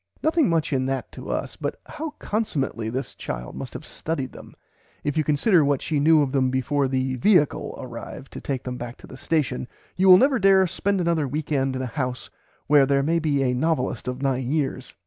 Nothing much in that to us, but how consummately this child must have studied them; if you consider what she knew of them before the "viacle" arrived to take them back to the station you will never dare to spend another week end in a house where there may be a novelist of nine years.